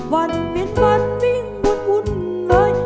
วันเวียนฝันวิ่งวุ่นเลย